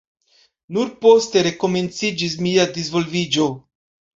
Nur poste komenciĝis mia disvolviĝo.